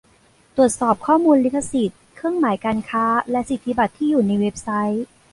ตรวจสอบข้อมูลลิขสิทธิ์เครื่องหมายการค้าและสิทธิบัตรที่อยู่ในเว็บไซต์